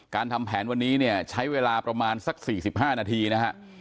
ทำแผนวันนี้เนี่ยใช้เวลาประมาณสัก๔๕นาทีนะฮะ